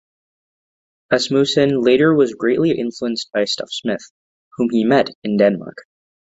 Asmussen later was greatly influenced by Stuff Smith, whom he met in Denmark.